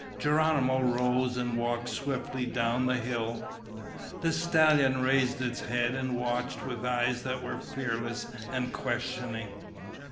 Geronimo rose and walked swiftly down the hill. The stallion raised its head and watched with eyes that were fearless and questioning.